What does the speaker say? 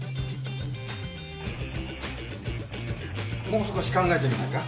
もう少し考えてみないか？